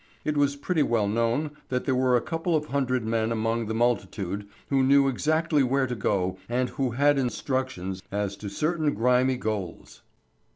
It was pretty well known that there were a couple of hundred men amongst the multitude who knew exactly where to go and who had instructions as to certain grimy goals.